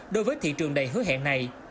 đối với thị trường đầy hứa hẹn này